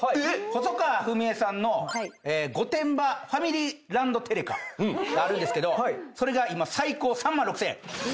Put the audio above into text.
細川ふみえさんの御殿場ファミリーランドテレカがあるんですけどそれが今最高３万６，０００円。